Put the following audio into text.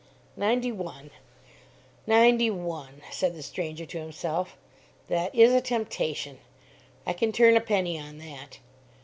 "Ninety one ninety one," said the stranger, to himself. "That is a temptation! I can turn a penny on that.